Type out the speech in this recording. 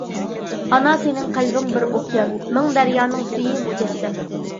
ئانا سېنىڭ قەلبىڭ بىر ئوكيان، مىڭ دەريانىڭ سۈيى مۇجەسسەم.